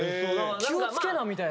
気をつけなみたいな。